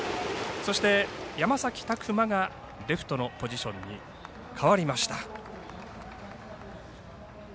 そして、山崎琢磨がレフトのポジションに代わりました。